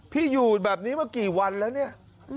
พี่อยู่แบบนี้มากี่วันแล้วเนี่ย